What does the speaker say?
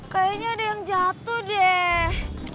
kayaknya ada yang jatuh deh